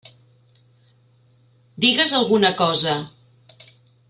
Digues alguna cosa!